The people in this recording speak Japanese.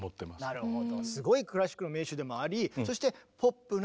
なるほど。